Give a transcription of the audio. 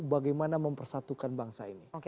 bagaimana mempersatukan bangsa ini